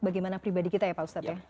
bagaimana pribadi kita ya pak ustadz ya